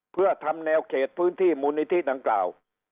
เพื่อทำแนวเขตพื้นที่มูลนิธิดังกล่าว